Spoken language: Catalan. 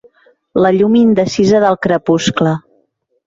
La llum indecisa del crepuscle.